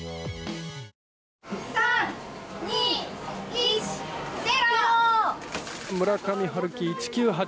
３、２、１、０！